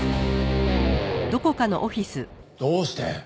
どうして？